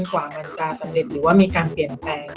กว่ามันจะสำเร็จหรือว่ามีการเปลี่ยนแปลง